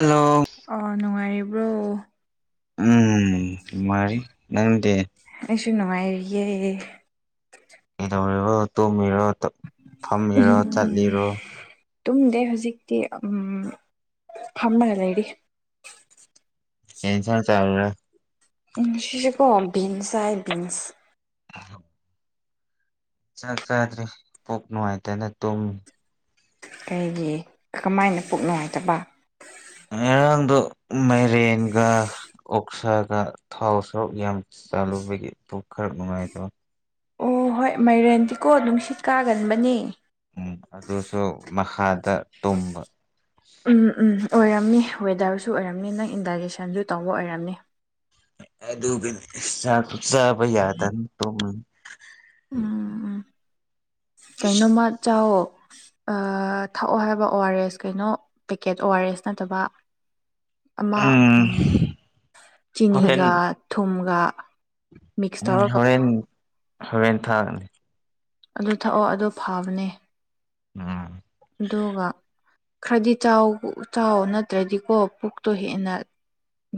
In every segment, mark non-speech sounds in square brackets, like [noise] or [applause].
Hello ꯑꯣ ꯅꯨꯡꯉꯥꯏꯔꯤꯕ꯭ꯔꯣ um ꯅꯨꯉꯥꯏꯔꯤ ꯅꯪꯗꯦ ꯑꯩꯁꯨ ꯅꯨꯡꯉꯥꯏꯔꯤꯌꯦ ꯀꯩꯗꯧꯔꯤꯔꯣ ꯇꯣꯝꯃꯤꯔꯣ ꯐꯝꯃꯤꯔꯣ ꯎꯝ ꯆꯠꯂꯤꯔꯣ ꯇꯨꯝꯗꯦ ꯍꯧꯖꯤꯛꯇꯤ ꯎꯝ ꯐꯝꯃꯒ ꯂꯩꯔꯤ ꯀꯩ ꯌꯦꯟꯁꯥꯡ ꯆꯥꯔꯔꯥ ꯎꯝ ꯉꯁꯤꯁꯨꯀꯣ ꯕꯤꯟꯁ ꯆꯥꯏ ꯕꯤꯟꯁ [inaudible] ꯆꯥꯛ ꯆꯥꯗ꯭ꯔꯤ ꯄꯣꯛ ꯅꯨꯡꯉꯥꯏꯇꯦꯅ ꯇꯨꯝ ꯀꯩꯒꯤ ꯀꯃꯥꯏꯅ ꯄꯨꯛ ꯅꯨꯡꯉꯥꯏꯇꯕ ꯉꯔꯥꯡꯗꯣ ꯃꯥꯏꯔꯦꯟꯒ ꯑꯣꯛꯁꯥꯒ ꯊꯥꯎ ꯁꯔꯨꯛ ꯌꯥꯝ ꯆꯥꯂꯨꯕꯒꯤ ꯄꯨꯛ ꯈꯔ ꯅꯨꯡꯉꯥꯏꯗꯕ ꯑꯣ ꯍꯣꯏ ꯃꯥꯏꯔꯦꯟꯗꯤꯀꯣ ꯅꯨꯡꯁꯤꯠ ꯀꯥꯒꯟꯕꯅꯤ ꯎꯝ ꯑꯗꯨꯁꯨ ꯃꯈꯥꯗ ꯇꯨꯝꯕ ꯎꯝ ꯎꯝ ꯑꯣꯏꯔꯝꯅꯤ ꯋꯦꯗꯔꯁꯨ ꯑꯣꯏꯔꯝꯅꯤ ꯅꯪ ꯏꯟꯗꯥꯏꯖꯦꯁꯟꯁꯨ ꯇꯧꯕ ꯑꯣꯏꯔꯝꯅꯤ ꯑꯗꯨꯒꯤꯗꯤ ꯆꯥꯛ ꯆꯥꯕ ꯌꯥꯗꯅ ꯇꯣꯝꯃꯤ ꯎꯝ ꯎꯝ ꯀꯩꯅꯣꯝꯃ ꯆꯥꯎꯋꯣ ꯑꯥ ꯊꯛꯑꯣ ꯍꯥꯏꯕ ꯑꯣ ꯑꯥꯔ ꯑꯦꯁ ꯀꯩꯅꯣ ꯄꯦꯀꯦꯠ ꯑꯣ ꯑꯥꯔ ꯑꯦꯁ ꯅꯠꯇꯕ ꯑꯃ ꯎꯝ ꯍꯣꯔꯦꯟ ꯆꯤꯅꯤꯒ ꯊꯨꯝꯒ ꯃꯤꯛꯁ ꯎꯝ ꯇꯧꯔꯒ ꯍꯣꯔꯦꯟ ꯍꯣꯔꯦꯟ ꯊꯥꯒꯅꯤ ꯑꯗꯨ ꯊꯛꯑꯣ ꯑꯗꯨ ꯐꯕꯅꯦ ꯎꯝ ꯑꯗꯨꯒ ꯈꯔꯗꯤ ꯆꯥꯎ ꯆꯥꯎ ꯅꯠꯇ꯭ꯔꯗꯤꯀꯣ ꯄꯨꯛꯇꯣ ꯍꯦꯟꯅ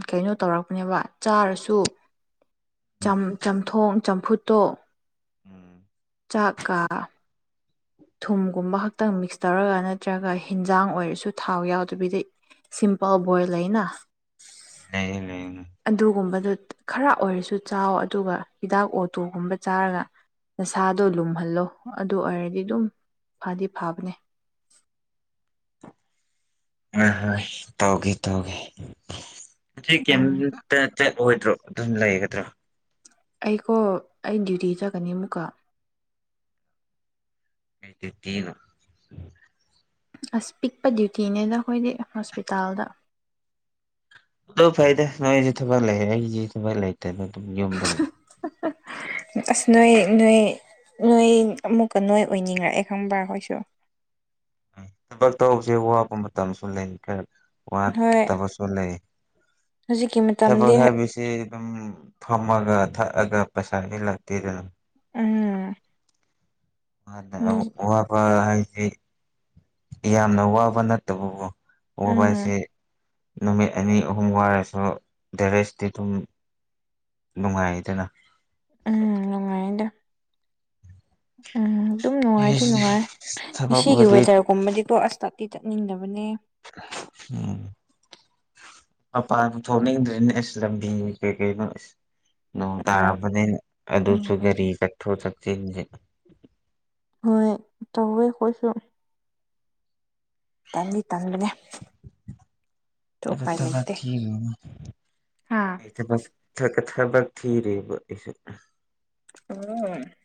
ꯀꯩꯅꯣ ꯇꯧꯔꯛꯄꯅꯦꯕ ꯆꯥꯔꯁꯨ ꯆꯝ ꯆꯝꯊꯣꯡ ꯆꯝꯐꯨꯠꯇꯣ ꯎꯝ ꯆꯥꯛꯀꯥ ꯊꯨꯝꯒꯨꯝꯕ ꯈꯛꯇꯪ ꯃꯤꯛꯁ ꯇꯧꯔꯒ ꯅꯠꯇ꯭ꯔꯒ ꯍꯤꯟꯖꯥꯡ ꯑꯣꯏꯔꯁꯨ ꯊꯥꯎ ꯌꯥꯎꯗꯕꯤꯗ ꯁꯤꯝꯄꯜ ꯕꯣꯏꯜ ꯂꯩꯅ ꯂꯩꯔꯦ ꯂꯩꯔꯦ ꯑꯗꯨꯒꯨꯝꯕꯗꯨ ꯈꯔ ꯑꯣꯏꯔꯁꯨ ꯆꯥꯎ ꯑꯗꯨꯒ ꯍꯤꯗꯥꯛ ꯑꯣꯇꯨꯒꯨꯝꯕ ꯆꯥꯔꯒ ꯅꯁꯥꯗꯣ ꯂꯨꯝꯍꯜꯂꯣ ꯑꯗꯨ ꯑꯣꯏꯔꯗꯤ ꯑꯗꯨꯝ ꯐꯥꯗꯤ ꯐꯥꯕꯅꯦ ꯑꯣꯏ ꯍꯣꯏ ꯇꯧꯒꯦ ꯇꯧꯒꯦ ꯎꯝ ꯇꯥ ꯆꯠꯑꯣꯏꯗ꯭ꯔꯣ ꯑꯗꯨꯝ ꯂꯩꯒꯗ꯭ꯔꯣ ꯑꯩꯀꯣ ꯑꯩ ꯗ꯭ꯌꯨꯇꯤ ꯆꯠꯀꯅꯤ ꯑꯃꯨꯛꯀꯥ ꯀꯩ ꯗꯌ꯭ꯨꯇꯤ ꯅꯣ ꯑꯁ ꯄꯤꯛꯄ ꯗ꯭ꯌꯨꯇꯤꯅꯦꯗ ꯑꯩꯈꯣꯏꯗꯤ ꯍꯣꯁꯄꯤꯇꯥꯜꯗ ꯗꯣ ꯐꯩꯗ ꯅꯣꯏꯁꯨ ꯊꯕꯛ ꯂꯩ ꯑꯩꯗꯤ ꯊꯕꯛ ꯂꯩ ꯇꯥꯕ ꯗꯨꯝ ꯌꯨꯝꯗ ꯂꯩ [inaudible] ꯑꯁ ꯅꯣꯏ ꯅꯣꯏ ꯅꯣꯏ ꯑꯃꯨꯛꯀꯥ ꯅꯣꯏ ꯑꯣꯏꯅꯤꯡꯉꯛꯑꯦ ꯈꯪꯕ꯭ꯔꯥ ꯑꯈꯣꯏꯁꯨ ꯎꯝ ꯊꯕꯛ ꯇꯧꯕꯁꯦ ꯋꯥꯕ ꯃꯇꯝꯁꯨ ꯂꯩ ꯀꯥ ꯋꯥ ꯍꯣꯏ ꯇꯄ ꯆꯂꯦ ꯍꯧꯖꯤꯛꯀꯤ ꯇꯄ ꯃꯇꯝꯗꯤ ꯍꯔ ꯁ ꯁꯤꯦ ꯑꯗꯨꯝ ꯐꯝꯃꯒ ꯊꯛꯑꯒ ꯄꯩꯁꯥꯗꯤ ꯂꯥꯛꯇꯦꯗꯅ ꯑꯥ ꯍꯅ ꯋꯥꯕ ꯍꯥꯏꯁꯤꯦ ꯌꯥꯝꯅ ꯋꯥꯕ ꯅꯠꯇꯕꯕꯨꯣ ꯑꯣꯕꯁꯦ ꯎꯝ ꯅꯨꯃꯤꯠ ꯑꯅꯤ ꯑꯍꯨꯝ ꯋꯥꯔꯁꯨ ꯗꯦꯔꯦꯁꯇꯤ ꯑꯗꯨꯝ ꯅꯨꯡꯉꯥꯏꯗꯅ ꯎꯝ ꯅꯨꯡꯉꯥꯏꯗꯦ ꯎꯝ ꯑꯗꯨꯝ ꯅꯨꯡꯉꯥꯏꯗꯤ ꯑꯦꯁ ꯅꯨꯡꯉꯥꯏ ꯉꯁꯤꯒꯤ ꯊꯕꯛꯄꯨꯗꯤ ꯋꯦꯗꯔ ꯀꯨꯝꯕꯗꯤꯀꯣ ꯑꯁꯇꯇꯤ ꯆꯠꯅꯤꯡꯗꯕꯅꯦ ꯎꯝ ꯃꯄꯥꯟ ꯊꯣꯛꯅꯤꯡꯗ꯭ꯔꯦꯅꯦ ꯑꯁ ꯂꯝꯕꯤꯅꯦ ꯀꯩ ꯀꯩꯅꯣ ꯅꯣꯡ ꯑꯣ ꯇꯥꯔꯕꯅꯤꯅ ꯎꯝ ꯑꯗꯨꯁꯨ ꯎꯝ ꯒꯥꯔꯤ ꯆꯠꯊꯣꯛ ꯆꯠꯁꯤꯟꯁꯦ ꯍꯣꯏ ꯇꯧꯦ ꯀꯣꯏꯁꯨꯣ ꯇꯅꯤ ꯇꯟꯗꯨꯅꯦ ꯑꯩꯗꯣ ꯊꯕꯛ ꯊꯤꯔꯤꯅꯤ ꯍꯥꯥ ꯂꯩꯇꯕꯒꯤ ꯊꯛ ꯊꯕꯛ ꯊꯤꯔꯕ ꯑꯩꯁꯨ ꯑꯣ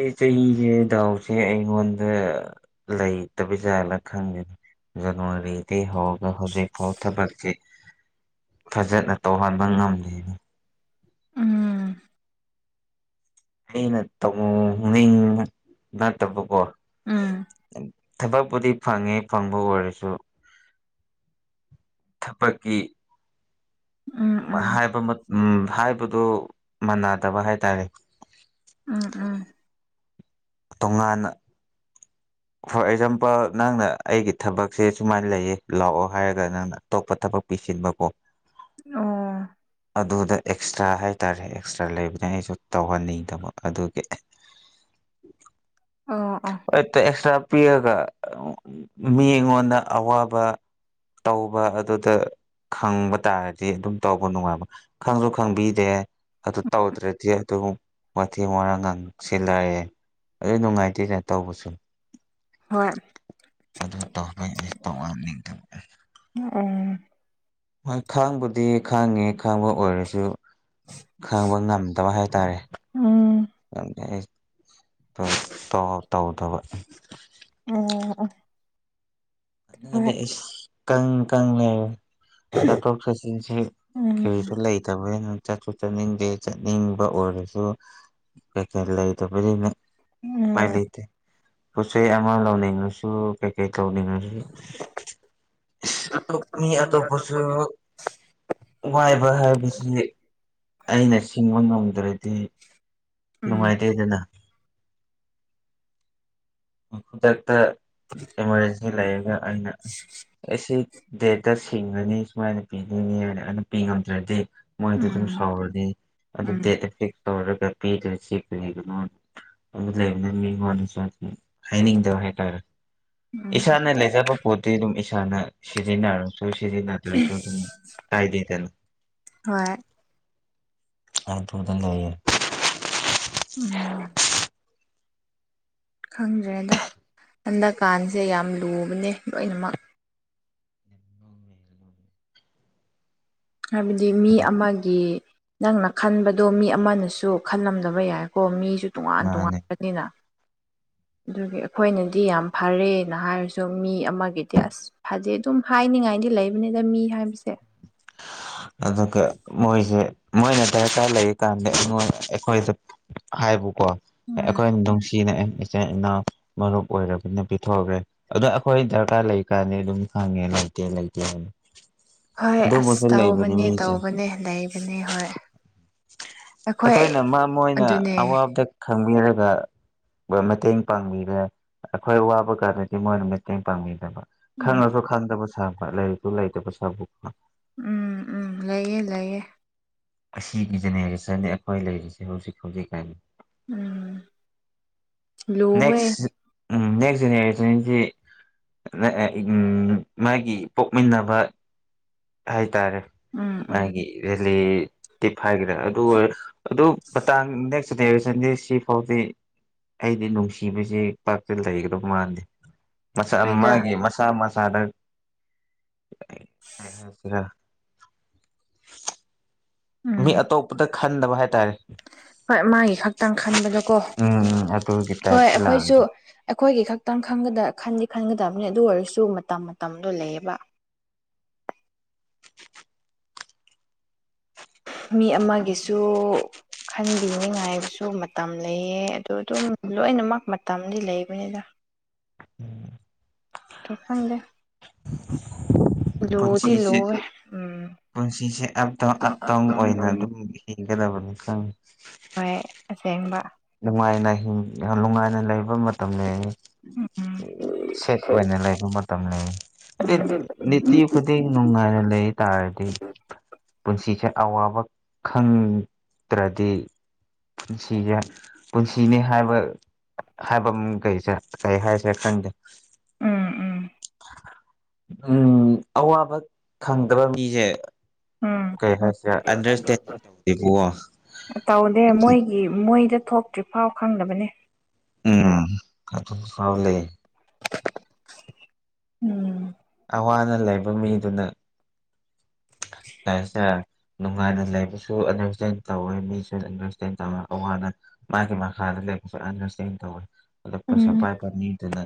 ꯑꯦ ꯆꯍꯤꯁꯦ ꯗꯥꯎꯁꯦ ꯑꯩꯉꯣꯟꯗ ꯂꯩꯇꯕꯖꯥꯠꯂꯥ ꯈꯪꯗꯦꯅꯤ ꯌꯗꯨꯣ ꯔꯔꯤꯗꯤ ꯍꯧꯒ ꯍꯧꯖꯤꯦ ꯐꯥꯎꯊ ꯃꯔꯔꯀ ꯐꯖꯅ ꯇꯧꯍꯟꯕ ꯉꯝꯂꯤꯅꯤ ꯎꯝ ꯑꯩꯅ ꯇꯧꯅꯤꯡꯕ ꯅꯠꯇꯕꯀꯣ ꯎꯝ ꯊꯕꯛꯄꯨꯗꯤ ꯐꯪꯉꯦ ꯐꯪꯕ ꯑꯣꯏꯔꯁꯨ ꯊꯕꯛꯀꯤ ꯎꯝ ꯎꯝ ꯍꯥꯏꯕ ꯎ ꯍꯥꯏꯕꯗꯨ ꯃꯥꯟꯅꯗꯕ ꯍꯥꯏꯇꯥꯔꯦ ꯎꯝ ꯎꯝ ꯇꯣꯉꯥꯟꯅ ꯐꯣꯔ ꯑꯦꯛꯖꯥꯝꯄꯜ ꯅꯪꯅ ꯑꯩꯒꯤ ꯊꯕꯛꯁꯦ ꯁꯨꯃꯥꯏꯅ ꯂꯩꯌꯦ ꯂꯥꯛꯑꯣ ꯍꯥꯏꯔꯒ ꯅꯪꯅ ꯑꯇꯣꯞꯄ ꯊꯕꯛ ꯄꯤꯁꯤꯟꯕꯀꯣ ꯑꯣ ꯑꯗꯨꯗ ꯑꯦꯛꯁꯇ꯭ꯔꯥ ꯍꯥꯏꯇꯥꯔꯦ ꯑꯦꯛꯁꯇ꯭ꯔꯥ ꯂꯩꯕꯅ ꯑꯩꯁꯨ ꯇꯧꯍꯟꯅꯤꯡꯗꯕ ꯑꯗꯨꯒꯤ꯫ ꯑꯥ ꯑꯥ ꯇ ꯑꯦꯛꯁꯇ꯭ꯔꯥ ꯄꯤꯔꯒ ꯃꯤ ꯑꯩꯉꯣꯟꯗ ꯑꯋꯥꯕ ꯇꯧꯕ ꯑꯗꯨꯗ꯫ ꯈꯪꯕ ꯇꯥꯔꯗꯤ ꯑꯗꯨꯝ ꯇꯧꯕ ꯅꯨꯡꯉꯥꯏꯕ ꯈꯪꯁꯨ ꯈꯪꯕꯤꯗꯦ ꯑꯗꯨ ꯇꯧꯗ꯭ꯔꯗꯤ ꯑꯗꯨ ꯋꯥꯊꯤ ꯋꯥꯥꯡ ꯉꯥꯡ ꯁꯤꯜꯂꯛꯑꯦ꯫ ꯑꯗꯨ ꯅꯨꯡꯉꯥꯏꯇꯦꯗ ꯇꯧꯕꯁꯨ꯫ ꯍꯣꯏ꯫ ꯑꯗꯨ ꯇꯧꯣꯏ ꯑꯩ ꯇꯧꯑꯅꯤꯡꯊꯧꯕ꯫ ꯎꯝ꯫ ꯍꯣꯏ ꯈꯥꯡꯕꯨꯗꯤ ꯈꯥꯡꯉꯤ ꯈꯥꯡꯕ ꯑꯣꯏꯔꯁꯨ꯫ ꯈꯪꯕ ꯉꯝꯗꯕ ꯍꯥꯏꯇꯥꯔꯦ ꯎꯝ꯫ ꯑꯩ ꯇ ꯇꯧꯗꯕ ꯑ ꯗꯤ ꯀꯪ ꯀꯪ ꯂꯩꯔꯦ ꯆꯠꯊꯣꯛ ꯆꯠꯁꯤꯟꯁꯤ ꯎꯝ ꯀꯩꯔꯤꯁꯨ ꯎꯝ ꯂꯩꯇꯕꯅ ꯆꯠꯁꯨ ꯆꯠꯅꯤꯡꯗꯦ ꯆꯠꯅꯤꯡꯕ ꯑꯣꯏꯔꯁꯨ ꯀꯩꯀꯩ ꯂꯩꯇꯕꯅꯤꯅ ꯎꯝ꯫ ꯎꯄꯥꯏ ꯂꯩꯇꯦ ꯄꯣꯠꯆ ꯆꯩ ꯑꯃ ꯂꯧꯅꯤꯡꯉꯁꯨ ꯀꯩꯀꯩ ꯇꯧꯅꯤꯡꯉꯁꯨ꯫ ꯏꯁ ꯑꯇꯣꯞ ꯃꯤ ꯑꯇꯣꯞꯄꯁꯨ ꯋꯥꯏꯕ ꯍꯥꯏꯕꯁꯤ ꯑꯩꯅ ꯁꯤꯡꯕ ꯉꯝꯗ꯭ꯔꯗꯤ ꯎꯝ ꯅꯨꯡꯉꯥꯏꯇꯦꯗꯅ ꯈꯨꯗꯛꯇ ꯏꯃꯥꯔꯖꯦꯟꯁꯤ ꯂꯩꯔꯒ ꯑꯩꯅ꯫ ꯑꯩꯁꯤ ꯗꯦꯠꯇ ꯁꯤꯡꯉꯅꯤ ꯁꯨꯃꯥꯏꯅ ꯄꯤꯗꯣꯏꯅꯤ ꯍꯥꯏ ꯑꯗꯨ ꯄꯤ ꯉꯝꯗ꯭ꯔꯗꯤ ꯃꯣꯏꯗꯤ ꯎꯝ ꯎꯝ ꯁꯏꯗꯤ꯫ ꯇꯧꯔꯒ ꯄꯤꯗ꯭ꯔꯁꯤ ꯀꯔꯤꯒꯤꯅꯣ ꯑꯗꯨ ꯂꯩꯕꯅ ꯃꯤꯉꯣꯟꯗꯁꯨ꯫ ꯍꯥꯏꯅꯤꯡꯗꯕ ꯍꯥꯏꯇꯥꯔꯦ ꯎꯝ ꯏꯁꯥꯅ ꯂꯩꯖꯕ ꯄꯣꯠꯇꯤ ꯑꯗꯨꯝ ꯏꯁꯥꯅ ꯁꯤꯖꯤꯟꯅꯔ꯫ ꯆꯁꯤꯁꯤ ꯅꯇ꯭ꯔ ꯁꯣ ꯀꯥꯏꯗꯦ ꯇꯅ ꯍꯣꯏ ꯑ ꯇꯕꯨꯗ ꯂꯩꯏꯌꯦ꯫ ꯎꯝ ꯈꯪꯗ꯭ꯔꯦꯗ ꯍꯟꯗꯛꯀꯥꯟꯁꯦ ꯌꯥꯝ ꯂꯨꯕꯅꯦ ꯂꯣꯏꯅꯃꯛ꯫ ꯍꯥꯏꯕꯗꯤ ꯃꯤ ꯑꯃꯒꯤ ꯅꯪꯅ ꯈꯟꯕꯗꯣ ꯃꯤ ꯑꯃꯅꯁꯨ ꯈꯜꯂꯝꯗꯕ ꯌꯥꯏꯀꯣ ꯃꯤꯁꯨ ꯇꯣꯉꯥꯟ ꯃꯥꯅꯦ ꯇꯣꯉꯥꯟꯕꯅꯤꯅ꯫ ꯗꯨꯒꯤ ꯑꯈꯣꯏꯅꯗꯤ ꯌꯥꯝ ꯐꯔꯦꯅ ꯍꯥꯏꯔꯁꯨ ꯃꯤ ꯑꯃꯒꯤꯗꯤ ꯑꯁ ꯐꯖꯩ ꯑꯗꯨꯝ ꯍꯥꯏꯅꯤꯡꯉꯥꯏꯗꯤ ꯂꯩꯕꯅꯤꯗ ꯃꯤ ꯍꯥꯏꯕꯁꯦ꯫ ꯑꯗꯨꯒ ꯃꯣꯏꯁꯦ ꯃꯣꯏꯅ ꯗꯔꯀꯥꯔ ꯂꯩꯔꯤ ꯀꯥꯟꯗ ꯑꯩꯈꯣꯏꯁꯦ꯫ ꯍꯥꯏꯕꯨꯀꯣ ꯎꯝ ꯑꯩꯈꯣꯏꯅ ꯅꯨꯡꯁꯤꯅ ꯏꯆꯤꯟ ꯏꯅꯥꯎ ꯃꯔꯨꯞ ꯑꯣꯏꯔꯕꯅ ꯄꯤꯊꯣꯛꯈ꯭ꯔꯦ꯫ ꯑꯗꯣ ꯑꯩꯈꯣꯏ ꯗꯔꯀꯥꯔ ꯂꯩ ꯀꯥꯟꯅꯤ ꯑꯗꯨꯝ ꯈꯪꯉꯦ ꯂꯩꯇꯦ ꯂꯩꯇꯦ ꯍꯥꯏꯅ꯫ ꯍꯣꯏ ꯑꯁ ꯑꯗꯨꯕꯨꯁꯨ ꯂꯩꯕꯅꯤ ꯇꯧꯕꯅꯦ ꯃꯤꯁꯦ ꯇꯧꯕꯅꯦ ꯂꯩꯕꯅꯦ ꯍꯣꯏ꯫ ꯑꯩꯈꯣꯏ ꯑꯩꯈꯣꯏꯅ ꯃ ꯃꯣꯏꯅ ꯑꯗꯨꯅꯦ ꯑꯋꯥꯕꯗ ꯈꯪꯕꯤꯔꯒ꯫ ꯃꯇꯦꯡ ꯄꯥꯡꯕꯤꯔꯦ ꯑꯩꯈꯣꯏ ꯋꯥꯕ ꯀꯥꯟꯗꯗꯤ ꯃꯣꯏꯅ ꯃꯇꯦꯡ ꯄꯥꯡꯕꯤꯗꯕ꯫ ꯎꯝ ꯈꯪꯉꯁꯨ ꯈꯪꯗꯕ ꯁꯥꯕ ꯂꯥꯏꯔꯤꯛꯇꯨ ꯂꯩꯇꯕ ꯁꯥꯕ ꯎꯝ ꯎꯝ ꯂꯩꯌꯦꯦ ꯂꯩꯌꯦꯦ ꯑꯁꯤꯒꯤ ꯖꯦꯅꯦꯔꯦꯁꯟꯅꯤ ꯑꯩꯈꯣꯏ ꯂꯩꯔꯤꯁꯦ ꯍꯧꯖꯤꯛ ꯍꯧꯖꯤꯛ ꯀꯥꯏꯜꯂꯤ꯫ ꯎꯝ꯫ ꯂꯨꯋꯦ ꯅꯦꯛꯦꯛꯁ꯫ ꯅꯦꯛꯁ ꯖꯦꯅꯦꯔꯦꯁꯟꯁꯤ ꯃꯥꯒꯤ ꯄꯣꯛꯃꯤꯟꯅꯕ꯫ ꯍꯥꯏꯇꯥꯔꯦ ꯎꯝ ꯎꯝ ꯃꯥꯒꯤ꯫ ꯍꯥꯏꯈ꯭ꯔꯦ ꯑꯗꯨ ꯑꯣꯏꯔ ꯑꯗꯨ ꯃꯇꯥꯡ ꯅꯦꯛꯁ ꯖꯦꯅꯦꯔꯦꯁꯟꯗꯤ ꯁꯤ ꯐꯥꯎꯗꯤ꯫ ꯑꯩꯗꯤ ꯅꯨꯡꯁꯤꯕꯁꯤ ꯄꯥꯛꯇꯤ ꯂꯩꯒꯗꯧ ꯃꯥꯟꯗꯦ ꯃꯆꯥ ꯍꯣꯏꯗ ꯃꯥꯒꯤ ꯃꯆꯥ ꯃꯆꯥꯗ ꯏꯝ ꯫ ꯐꯥꯁꯔꯥ ꯃꯤ ꯎꯝ ꯑꯇꯣꯞꯄꯗ ꯈꯟꯗꯕ ꯍꯥꯏꯇꯥꯔꯦ꯫ ꯍꯣꯏ ꯃꯥꯒꯤ ꯈꯛꯇꯪ ꯈꯟꯕꯗꯀꯣ ꯎ ꯎꯝ ꯑꯗꯨꯒꯤ ꯍꯣꯏ ꯇꯥꯏꯞꯇ ꯑꯩꯈꯣꯏꯁꯨ ꯂꯥꯛꯑꯒ ꯑꯩꯈꯣꯏꯒꯤ ꯈꯛꯇꯪꯒ ꯈꯟꯗꯤ ꯈꯟꯒꯗꯕꯅꯤ ꯑꯗꯨ ꯑꯣꯏꯔꯁꯨ ꯃꯇꯝ ꯃꯇꯝꯗꯣ ꯂꯩꯌꯦꯕ꯫ ꯃꯤ ꯑꯃꯒꯤꯁꯨ ꯈꯟꯕꯤꯅꯤꯉꯥꯏꯕꯁꯨ ꯃꯇꯝ ꯂꯩꯌꯦ ꯑꯗꯨꯗ ꯑꯗꯨꯝ ꯂꯣꯏꯅꯃꯛ ꯃꯇꯝꯗꯤ ꯂꯩꯕꯅꯤꯅ꯫ ꯎꯝ ꯇ ꯐꯗꯦ ꯄꯨꯟꯁꯤꯁꯦ ꯄꯨꯟꯁꯤꯁꯦ ꯑꯞ ꯇ ꯑꯞ ꯇꯥꯎ ꯑꯣꯏꯅ ꯑꯗꯨꯝ ꯌꯦ ꯀꯗꯕꯅꯤ ꯀ ꯍꯣꯏ ꯑꯁꯦꯡꯕ ꯅꯨꯡꯉꯥꯏꯅ ꯅꯨꯡꯉꯥꯏꯅ ꯂꯩꯕ ꯃꯇꯝ ꯎꯝ ꯎꯝ ꯁꯦꯠꯄꯅ ꯂꯩꯕ ꯃꯇꯝ ꯂꯩ꯫ ꯑꯇꯤ ꯈꯨꯗꯤꯡ ꯅꯨꯡꯉꯥꯏꯅ ꯂꯩ ꯇꯥꯔꯗꯤ ꯄꯨꯟꯁꯤꯁꯦ ꯑꯋꯥꯕ ꯈꯪꯗ꯭ꯔꯗꯤ ꯄꯨꯟꯁꯤꯁꯦ ꯄꯨꯟꯁꯤꯅꯤ ꯍꯥꯏꯕ ꯍꯥꯏꯕ ꯑꯃ ꯀꯩꯁꯦ ꯀꯩ ꯍꯥꯏꯁꯦ ꯈꯟꯗꯦ ꯎꯝ ꯎꯝ ꯎꯝ ꯑꯋꯥꯕ ꯈꯪꯗꯕ ꯃꯤꯁꯦ ꯎꯝ ꯀꯩ ꯍꯥꯏꯁꯤꯔ ꯑꯟꯗꯔꯁꯇꯦꯟꯗꯤꯡ ꯇꯧꯗꯦꯕꯀꯣ ꯇꯧꯗꯦ ꯃꯣꯏ ꯃꯣꯏꯗ ꯊꯣꯛꯇ꯭ꯔꯤ ꯐꯥꯎ ꯈꯪꯗꯕꯅꯤ꯫ ꯎꯝ ꯀ ꯐꯕ ꯂꯩ꯫ ꯎꯝ ꯑꯋꯥ ꯑꯅꯥ ꯂꯩꯕ ꯃꯤꯗꯨꯅ ꯍꯥꯏꯁꯦ ꯅꯨꯡꯉꯥꯏꯅ ꯂꯩꯕꯁꯨ ꯑꯟꯗꯔꯁꯇꯦꯟ ꯇꯧꯋꯦ ꯃꯤꯁꯨ ꯑꯟꯗꯔꯁꯇꯦꯟ ꯇꯧꯋꯦ ꯑꯋꯥ ꯑꯅꯥ ꯃꯥꯒꯤ ꯃꯥ ꯍꯥꯥꯗ ꯂꯦ ꯁꯤ ꯇꯧ ꯎꯝ ꯑꯇꯛꯄꯁꯄꯥꯏꯕ ꯃꯤꯗꯨꯅ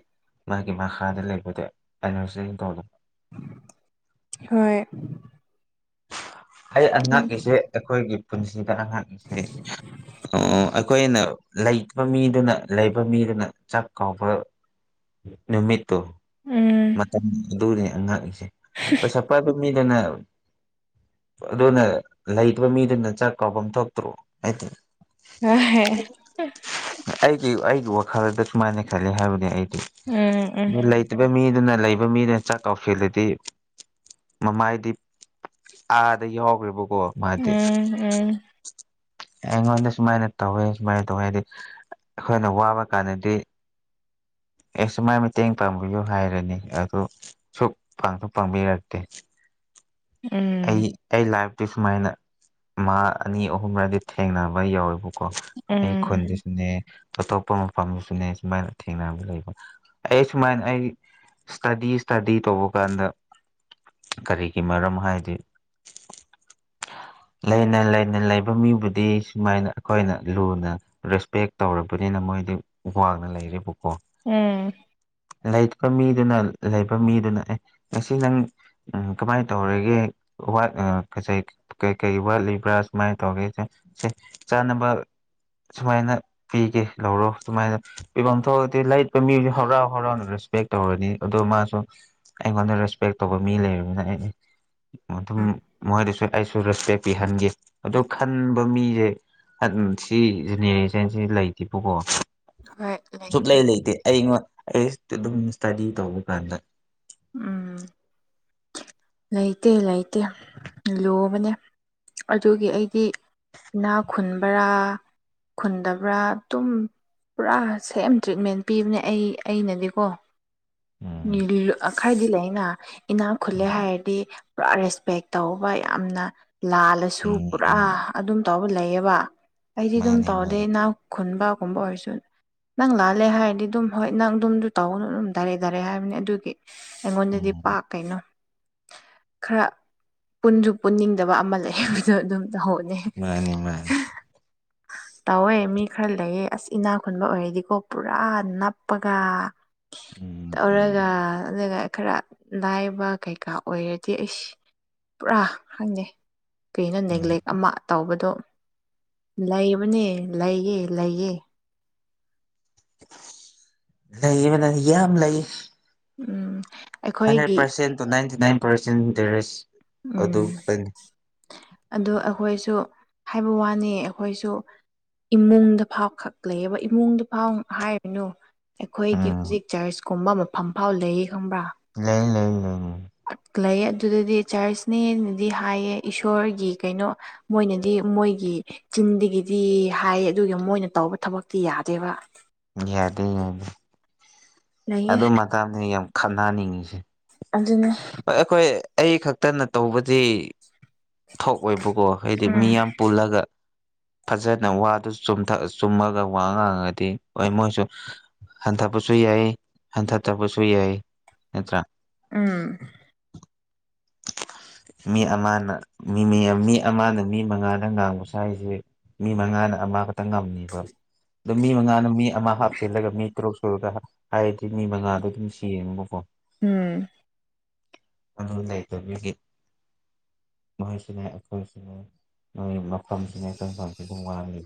ꯃꯥꯒꯤ ꯃꯈꯥꯗ ꯂꯩꯕꯗꯣ ꯑꯦꯅꯔꯖꯤꯒꯤ ꯄ꯭ꯔꯣꯕ꯭ꯂꯦꯝ ꯍꯣꯏ ꯑꯩ ꯑꯉꯛꯏꯁꯦ ꯑꯩꯈꯣꯏꯒꯤ ꯄꯨꯟꯁꯤꯗ ꯍꯥꯏꯁ ꯑꯩꯈꯣꯏꯅ ꯂꯩꯕ ꯃꯤꯗꯨꯅ ꯂꯩꯕ ꯃꯤꯗꯨꯅ ꯆꯥꯛ ꯀꯥꯎꯕ꯫ ꯅꯨꯃꯤꯠꯇꯨ ꯎꯝ ꯃꯇꯝ ꯑꯗꯨꯅꯤ ꯑꯉꯥꯡꯁꯦ ꯄꯩꯁꯥ ꯄꯥꯏꯕ ꯃꯤꯗꯅ ꯑꯗꯨꯅ ꯂꯩꯕ ꯃꯤꯗꯨꯅ ꯆꯥꯛ ꯀꯥꯎꯐꯝ ꯊꯣꯛꯇ꯭ꯔꯣ ꯍꯥꯏꯇꯅꯤ꯫ ꯑ꯫ ꯑꯩꯒꯤ ꯑꯩꯒꯤ ꯋꯥꯈꯜꯗ ꯀꯃꯥꯏꯅ ꯈꯜꯂꯤ ꯍꯥꯏꯕꯗꯤ ꯑꯩꯗꯤ꯫ ꯎꯝ ꯎꯝ ꯄꯦꯃꯤꯗꯅ ꯂꯩꯕ ꯃꯤꯅ ꯆꯥꯛ ꯀꯥꯎꯁꯤꯜꯂꯗꯤ ꯃꯃꯥꯏꯗꯤ ꯑꯥꯗꯒꯤ ꯍꯧꯈ꯭ꯔꯦꯕꯀꯣ꯫ ꯎꯝ ꯎꯝ꯫ ꯑꯩꯉꯣꯟꯗ ꯁꯨꯃꯥꯏꯅ ꯇꯧꯋꯦ ꯁꯨꯃꯥꯏꯅ ꯇꯧꯋꯦ ꯍꯥꯏꯗꯤ ꯑꯩꯈꯣꯏꯅ ꯋꯥꯕ ꯀꯥꯟꯗꯗꯤ ꯑꯩꯁꯨꯃꯥꯏ ꯃꯇꯦꯡ ꯄꯥꯡꯕꯤꯌꯨ ꯍꯥꯏꯔꯅꯤ ꯑꯗꯨ ꯁꯨꯛ ꯄꯁꯨ ꯄꯥꯡꯕꯤꯔꯛꯇꯦ ꯎꯝ ꯑꯩ ꯑꯩ ꯂꯥꯏꯐꯇꯤ ꯁꯨꯃꯥꯏꯅ ꯃꯥ ꯑꯅꯤ ꯑꯍꯨꯝꯔꯗꯤ ꯊꯦꯡꯅꯕ ꯌꯧꯋꯦꯕ ꯀꯣ ꯑꯩ ꯎꯝ ꯈꯨꯟꯗꯁꯨꯅꯦ ꯑꯇꯣꯞꯄ ꯃꯐꯝꯗꯨꯁꯨꯅꯦ ꯁꯨꯃꯥꯏꯅ ꯊꯦꯡꯅꯕ ꯂꯩ ꯑꯩ ꯁꯨꯃꯥꯏꯅ ꯑꯩ ꯏꯁꯇꯗꯤ ꯏꯁꯇꯗꯤ ꯇꯧꯕ ꯀꯥꯟꯗ꯫ ꯀꯔꯤꯒꯤ ꯃꯔꯝ ꯍꯥꯏꯗꯤ ꯂꯩꯅ ꯂꯩꯅ ꯂꯩꯕ ꯃꯤꯕꯨꯗꯤ ꯁꯨꯃꯥꯏꯅ ꯑꯩꯈꯣꯏꯅ ꯂꯨꯅ ꯔꯦꯁꯄꯦꯛ ꯇꯧꯔꯕꯅꯤꯅ ꯃꯣꯏꯗꯤ ꯋꯥꯡꯅ ꯂꯩꯔꯦꯕꯀꯣ ꯎꯝ ꯂꯩꯇꯕꯥ ꯃꯤꯗꯨꯅ ꯂꯩꯕ ꯃꯤꯗꯨꯅ ꯑꯦ ꯉꯁꯤ ꯅꯪ ꯎꯝ ꯀꯃꯥꯏꯅ ꯇꯧꯔꯤꯒꯦ ꯀꯁꯥꯏ꯫ ꯀꯩ ꯀꯩ ꯋꯥꯠꯂꯤꯕ꯭ꯔꯥ ꯁꯨꯃꯥꯏꯅ ꯇꯧꯒꯦꯁꯦ ꯁꯤ ꯆꯥꯅꯕ ꯁꯨꯃꯥꯏꯅ ꯄꯤꯒꯦ ꯂꯧꯔꯣ ꯁꯨꯃꯥꯏꯅ ꯄꯤꯐꯝ ꯊꯣꯛꯑꯗꯤ ꯂꯥꯏꯠ ꯄꯦꯃꯤꯁꯨ ꯍꯔꯥꯎ ꯍꯔꯥꯎꯅ ꯔꯦꯁꯄꯦꯛ ꯇꯧꯔꯅꯤ ꯑꯗꯣ ꯃꯥꯁꯨ ꯑꯩꯉꯣꯟꯗ ꯔꯦꯁꯄꯦꯛ ꯇꯧꯕ ꯃꯤ ꯂꯩꯅꯤꯅ ꯑꯩ ꯑꯗꯨꯝ ꯃꯣꯏꯗꯁꯨ ꯑꯩꯁꯨ ꯔꯦꯁꯄꯦꯛ ꯄꯤꯍꯟꯒꯦ ꯑꯗꯣ ꯈꯟꯕ ꯃꯤꯁꯦ ꯑꯠ ꯎꯝ ꯁꯤꯖꯤꯅꯦ [unintelligible] ꯂꯩꯇꯦꯕꯀꯣ ꯁꯨꯛꯂꯩ ꯂꯩꯇꯦ ꯑꯩꯉꯣꯟ ꯑꯩ ꯑꯦꯁꯇ ꯗꯨꯝ ꯏꯁꯇꯗꯤ ꯇꯧꯕ ꯀꯥꯟꯗ ꯎꯝ ꯂꯩꯇꯦ ꯂꯩꯇꯦ ꯂꯨꯕꯅꯦ ꯑꯗꯨꯒꯤ ꯑꯩꯗꯤ ꯏꯅꯥ ꯈꯨꯨꯟꯕꯔꯥ ꯈꯨꯟꯗꯕ꯭ꯔꯥ ꯑꯗꯨꯝ ꯄꯨꯔꯥ ꯁꯦꯝ ꯇ꯭ꯔꯤꯠꯃꯦꯟ ꯄꯤꯕꯅꯦ ꯑꯩ ꯑꯩꯅꯗꯤꯀꯣ ꯎꯝ ꯈꯥꯏꯗꯤ ꯂꯩꯅ ꯏꯅꯥꯛ ꯈꯨꯜꯂꯦ ꯎꯝ ꯍꯥꯏ ꯍꯥꯏꯗꯤ ꯄꯨꯔꯥ ꯔꯦꯁꯄꯦꯛ ꯇꯧꯕ ꯌꯥꯝꯅ ꯂꯥꯜꯂꯁꯨ ꯎꯝ ꯄꯨꯔꯥ ꯎꯝ ꯑꯗꯨꯝ ꯇꯧꯕ ꯂꯩꯌꯦꯕ ꯑꯩꯗꯤ ꯑꯗꯨꯝ ꯃꯥꯅꯦ ꯇꯧꯔꯗꯤ ꯃꯥꯅꯦ ꯢꯅꯥꯛ ꯈꯨꯟꯕꯒꯨꯝꯕ ꯑꯣꯏꯔꯁꯨ ꯅꯪ ꯂꯥꯜꯂꯦ ꯍꯥꯏꯔꯗꯤ ꯑꯗꯨꯝ ꯍꯣꯏ ꯅꯪ ꯑꯗꯨꯝꯗꯨ ꯇꯧꯒꯅꯨ ꯑꯗꯨꯝ ꯗꯥꯏꯔꯦꯛ ꯗꯥꯏꯔꯦꯛ ꯍꯥꯏꯕꯅꯤ ꯑꯗꯨꯒꯤ ꯑꯩꯉꯣꯟꯗꯗꯤ ꯎꯝ ꯄꯥꯛ ꯀꯩꯅꯣ ꯈꯔ ꯄꯨꯟꯁꯨ ꯄꯨꯟꯅꯤꯡꯗꯕ ꯑꯃ ꯂꯩ ꯍꯥꯏꯕꯗꯣ ꯑꯗꯨꯝ ꯇꯧꯍꯧꯅꯤ ꯃꯥꯅꯤ ꯃꯥꯅꯤ ꯇꯧꯋꯦ ꯃꯤ ꯈꯔ ꯂꯩꯑꯦ ꯑꯁ ꯏꯅꯥꯛ ꯈꯨꯟꯕ ꯑꯣꯏꯔꯗꯤꯀꯣ ꯄꯨꯔꯥ ꯅꯞꯄꯒ ꯎꯝ ꯎꯝ ꯇꯧꯔꯒ ꯑꯗꯨꯒ ꯈꯔ ꯂꯥꯏꯕ ꯀꯩꯀꯥ ꯑꯣꯏꯔꯗꯤ ꯑꯩꯁ ꯄꯨꯔꯥ ꯈꯪꯗꯦ ꯀꯩꯅꯣ ꯎꯝ ꯅꯦꯒ꯭ꯂꯦꯛ ꯑꯃ ꯇꯧꯕꯗꯣ ꯂꯩꯕꯅꯦ ꯂꯩꯌꯦ ꯂꯩꯌꯦ ꯂꯩꯕꯅꯦ ꯌꯥꯝ ꯂꯩ ꯎꯝ ꯍꯟꯗ꯭ꯔꯦꯠ ꯑꯩꯈꯣꯏꯒꯤ ꯄꯔꯁꯦꯟ ꯇꯨ ꯅꯥꯏꯟꯇꯤꯅꯥꯏꯟ ꯄꯔꯁꯦꯟ ꯗꯔꯦꯁ ꯎꯝ ꯑꯗꯣ ꯑꯩꯈꯣꯏꯁꯨ ꯍꯥꯏꯕ ꯋꯥꯅꯤ ꯑꯩꯈꯣꯏꯁꯨ ꯏꯃꯨꯡꯗ ꯐꯥꯎ ꯈꯛ ꯂꯩꯌꯦꯕ ꯏꯃꯨꯡꯗ ꯐꯥꯎ ꯍꯥꯏꯔꯨꯅꯨ ꯑꯩꯈꯣꯏꯒꯤ ꯎꯝ ꯍꯧꯖꯤꯛ ꯆꯔꯆꯀꯨꯝꯕ ꯃꯐꯝ ꯐꯥꯎ ꯂꯩꯌꯦ ꯈꯪꯕ꯭ꯔꯥ ꯂꯩ ꯂꯩ ꯂꯩ ꯂꯩ ꯂꯩꯌꯦ ꯑꯗꯨꯗꯗꯤ ꯆꯔꯆꯅꯦꯅꯗꯤ ꯍꯥꯏꯌꯦ ꯏꯁꯣꯔꯒꯤ ꯀꯩꯅꯣ ꯃꯣꯏꯅꯗꯤ ꯃꯣꯏꯒꯤ ꯆꯤꯟꯗꯒꯤꯗꯤ ꯍꯥꯏ ꯑꯗꯨꯒ ꯃꯣꯏꯅ ꯇꯧꯕ ꯊꯕꯛꯇꯤ ꯌꯥꯗꯦꯕ ꯌꯥꯗꯦ ꯌꯥꯅꯤ ꯂꯩꯌꯦ ꯑꯗꯨ ꯃꯇꯝꯗꯅꯤ ꯌꯥꯝ ꯈꯠꯅꯅꯤꯡꯉꯤꯁꯦ ꯑꯗꯨꯅꯦ ꯍꯣꯏ ꯑꯩꯈꯣꯏ ꯑꯩ ꯈꯛꯇꯅ ꯇꯧꯕꯗꯤ ꯊꯣꯛꯑꯣꯏꯕꯀꯣ ꯍꯥꯏꯗꯤ ꯎꯝ ꯃꯤ ꯌꯥꯝ ꯄꯨꯜꯂꯒ ꯐꯖꯅ ꯋꯥꯗꯨ ꯆꯨꯝꯊ ꯆꯨꯝꯃꯒ ꯋꯥ ꯉꯥꯡꯉꯗꯤ ꯍꯣꯏ ꯃꯣꯏꯁꯨ ꯍꯟꯊꯕꯁꯨ ꯌꯥꯏ ꯍꯟꯊꯇꯕꯁꯨ ꯌꯥꯏ ꯅꯠꯇ꯭ꯔꯥ ꯎꯝ ꯃꯤ ꯑꯃꯅ ꯃꯤ ꯃꯤ ꯑꯝ ꯃꯤ ꯑꯃꯅ ꯃꯤ ꯃꯉꯥꯗ ꯉꯥꯡꯕ ꯁꯥꯏꯁꯦ ꯃꯤ ꯃꯉꯥꯅ ꯑꯃꯈꯛꯇ ꯉꯝꯅꯤꯕ ꯑꯗꯣ ꯃꯤ ꯃꯉꯥꯅ ꯃꯤ ꯑꯃ ꯍꯥꯞꯆꯤꯜꯂꯒ ꯃꯤ ꯇꯔꯨꯛ ꯁꯨꯔꯒ ꯍꯥꯏꯗꯤ ꯃꯤ ꯃꯉꯥꯗ ꯑꯗꯨꯝ ꯁꯤꯌꯦꯡꯕꯨꯀꯣ ꯎꯝ ꯑꯗꯨ ꯂꯩꯇꯕꯤꯒꯤ ꯃꯣꯏꯁꯤꯅꯦ ꯑꯩꯈꯣꯏꯁꯤꯅꯦ ꯃꯣꯏ ꯃꯐꯝꯁꯤꯅꯦ ꯑꯩꯈꯣꯏ ꯐꯝꯁꯤꯕꯨ ꯋꯥꯡꯉꯤ